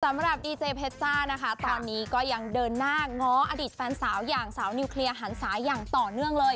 สำหรับดีเจเพชจ้านะคะตอนนี้ก็ยังเดินหน้าง้ออดีตแฟนสาวอย่างสาวนิวเคลียร์หันศาอย่างต่อเนื่องเลย